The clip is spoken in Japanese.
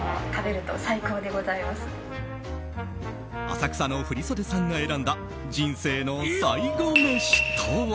浅草の振袖さんが選んだ人生の最後メシとは？